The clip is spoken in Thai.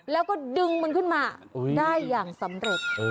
แล้วก็ดึงมันขึ้นมาได้อย่างสำเร็จ